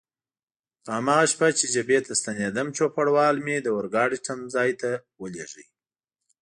په هماغه شپه چې جبهې ته ستنېدم، چوپړوال مې د اورګاډي تمځای ته ولېږه.